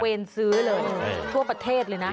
ซื้อเลยทั่วประเทศเลยนะ